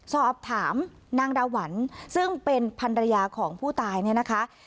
สอบถามนางดาหวันซึ่งเป็นภรรยาของผู้ตายเนี่ยนะคะ